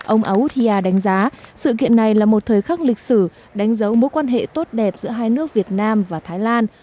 ông audia đánh giá sự kiện này là một thời khắc lịch sử đánh dấu mối quan hệ tốt đẹp giữa hai nước việt nam và thái lan